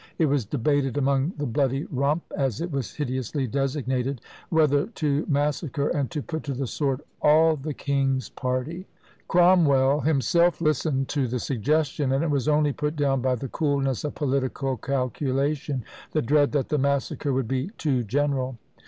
It was debated among "the bloody Rump," as it was hideously designated, "whether to massacre and to put to the sword all the king's party!" Cromwell himself listened to the suggestion; and it was only put down by the coolness of political calculation the dread that the massacre would be too general!